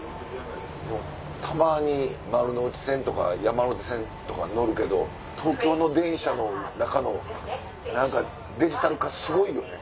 たまに丸ノ内線とか山手線とか乗るけど東京の電車の中の何かデジタル化すごいよね。